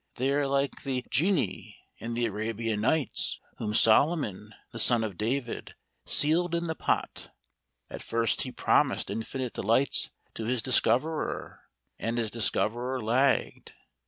They are like the genii in the 'Arabian Nights' whom Solomon, the son of David, sealed in the pot. At first he promised infinite delights to his discoverer and his discoverer lagged.